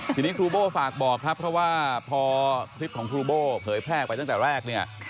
ทีนี้ครูโบ้ฝากบอกครับเพราะว่าพอคลิปของครูโบ้เผยแพร่ไปตั้งแต่แรกเนี่ย